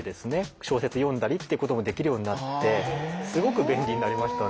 小説読んだりってこともできるようになってすごく便利になりましたね。